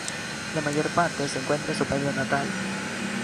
La mayor parte se encuentra en su pueblo natal.